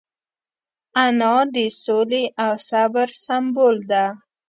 انا د سولې او صبر سمبول ده